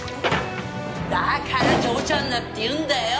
だから嬢ちゃんだって言うんだよ！